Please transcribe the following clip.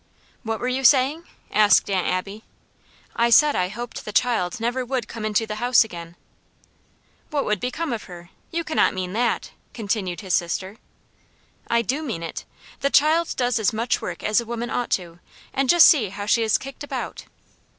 "What were you saying?" asked Aunt Abby. "I said I hoped the child never would come into the house again." "What would become of her? You cannot mean THAT," continued his sister. "I do mean it. The child does as much work as a woman ought to; and just see how she is kicked about!"